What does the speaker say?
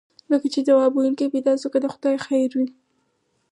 لکه چې ځواب ویونکی پیدا شو، که د خدای خیر وي.